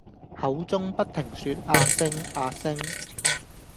口中不停說「阿星」「阿星」！